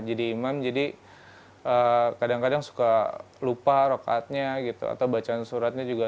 jadi imam jadi kadang kadang suka lupa rokatnya gitu atau bacaan suratnya juga